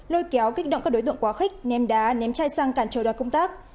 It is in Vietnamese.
lôi kéo kích động các đối tượng quá khích ném đá ném chai xăng cản trời đoàn công tác